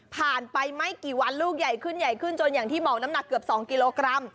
ไปไม่กี่วันลูกใหญ่ขึ้นใหญ่ขึ้นจนอย่างที่บอกน้ำหนักเกือบ๒กิโลกรัม